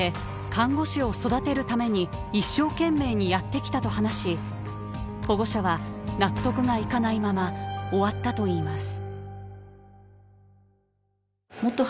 看護師を育てるために一生懸命にやってきたと話し保護者は納得がいかないまま終わったといいます。